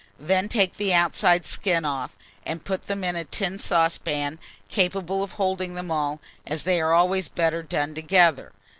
Then take the outside skin off, and put them into a tin saucepan capable of holding them all, as they are always better done together.